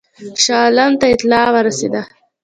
شاه عالم ته اطلاع ورسېده.